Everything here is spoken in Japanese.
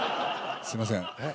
すいません。